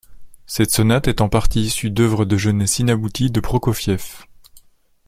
Cette sonate est en partie issue d'œuvres de jeunesse inabouties de Prokofiev.